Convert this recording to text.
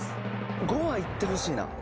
５は、いってほしいな。